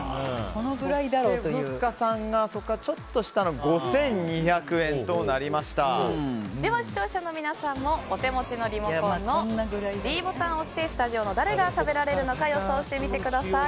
そしてふっかさんがそこからちょっと下のでは、視聴者の皆さんもお手持ちのリモコンのｄボタンを押してスタジオの誰が食べられるのか予想してみてください。